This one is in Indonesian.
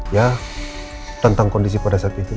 ya tentang kondisi pada saat itu